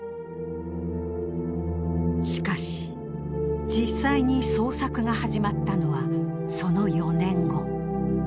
しかし実際に捜索が始まったのはその４年後。